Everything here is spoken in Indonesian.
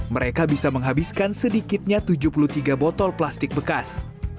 mereka bisa menghabiskan sedikitnya tujuh puluh tiga botol plastik bekas